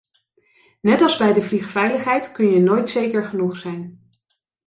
Net als bij de vliegveiligheid, kun je nooit zeker genoeg zijn.